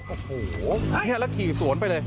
โอ้โหแล้วขี่สวนไปเลย